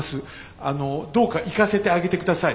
あのどうか行かせてあげてください。